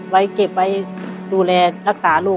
ไปลงทุนให้ลูกทราบห้วย